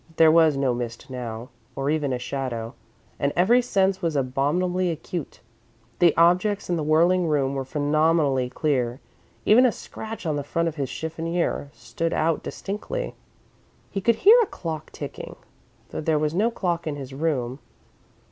There was no mist now, or even a shadow, and every sense was abnormally acute. The objects in the whirling room were phenomenally clear; even a scratch on the front of his chiffonier stood out distinctly. He could hear a clock ticking, though there was no clock in his room.